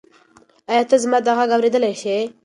ایا ته زما دا غږ اورېدلی شې؟